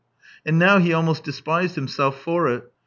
And now he almost despised himself for it.